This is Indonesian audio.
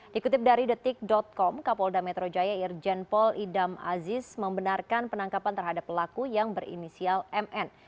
dikutip dari detik com kapolda metro jaya irjen pol idam aziz membenarkan penangkapan terhadap pelaku yang berinisial mn